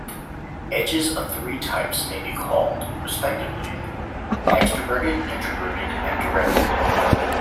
Edges of these three types may be called, respectively, extraverted, introverted, and directed.